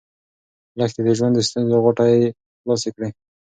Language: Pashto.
لښتې د ژوند د ستونزو غوټې خلاصې کړې.